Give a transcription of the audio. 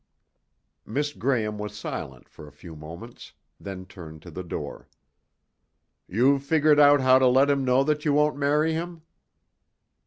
Miss Graham was silent for a few moments, then turned to the door. "You've figured out how to let him know that you won't marry him?"